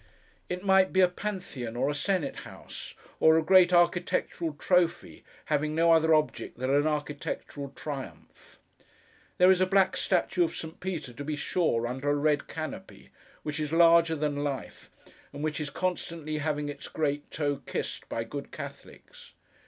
It might be a Pantheon, or a Senate House, or a great architectural trophy, having no other object than an architectural triumph. There is a black statue of St. Peter, to be sure, under a red canopy; which is larger than life and which is constantly having its great toe kissed by good Catholics.